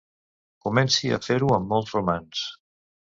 Comenci a fer-ho amb molts romans.